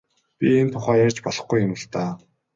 Би энэ тухай ярьж болохгүй юм л даа.